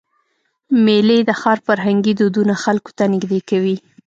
میلې د ښار فرهنګي دودونه خلکو ته نږدې کوي.